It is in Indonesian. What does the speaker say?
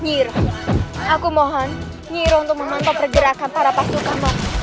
nyi rong aku mohon mma untuk memantau pergerakan para pasuk mask